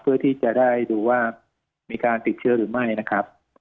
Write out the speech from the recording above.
เพื่อที่จะได้ดูว่ามีการติดเชื้อหรือไม่นะครับ